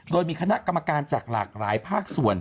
โดยมีคณะกรรมการจากหลากหลายภาคส่วน